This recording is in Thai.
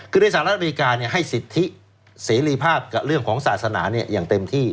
คือในสหรัฐอเมริกาให้สิทธิเสรีภาพกับเรื่องของศาสนาอย่างเต็มที่